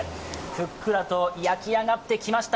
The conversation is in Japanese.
ふっくらと焼き上がってきました。